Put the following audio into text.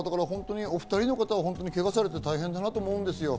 お２人の方、けがされて大変だと思うんです。